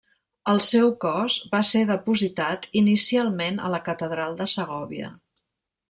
El seu cos va ser depositat inicialment a la catedral de Segòvia.